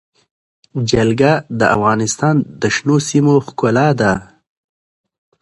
جلګه د افغانستان د شنو سیمو ښکلا ده.